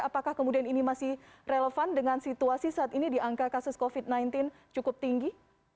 apakah kemudian ini masih relevan dengan situasi saat ini di angka kasus covid sembilan belas cukup tinggi